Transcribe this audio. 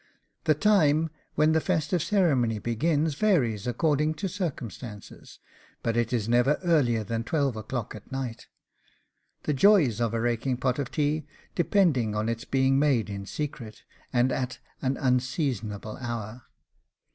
The time when the festive ceremony begins varies according to circumstances, but it is never earlier than twelve o'clock at night; the joys of a raking pot of tea depending on its being made in secret, and at an unseasonable hour.